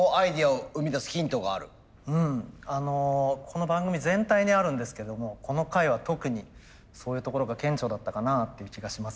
この番組全体にあるんですけどもこの回は特にそういうところが顕著だったかなっていう気がしますね。